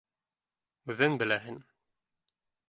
Үҙең беләһең.